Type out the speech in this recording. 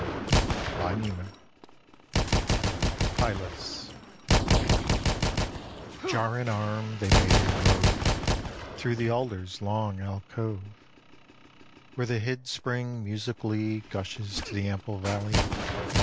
Hylas JAR in arm, they bade him rove Thro' the alder's long alcove, Where the hid spring musically Gushes to the ample valley.